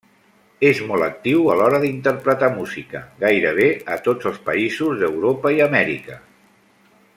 És molt actiu a l'hora d'interpretar música, gairebé a tots els països d'Europa i Amèrica.